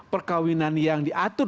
perkahwinan yang diatur